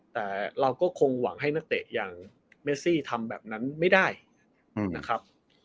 แต่เราก็คงหวังให้นักเตะอย่างเมซี่ทำแบบนั้นไม่ได้นะครับ